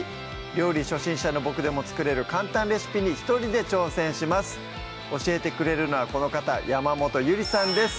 料理初心者のボクでも作れる簡単レシピに一人で挑戦します教えてくれるのはこの方山本ゆりさんです